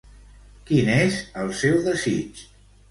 Quin és el seu desig?